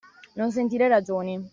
Non sentire ragioni.